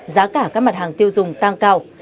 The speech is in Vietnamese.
giá cả các mặt hàng tiêu dùng tăng cao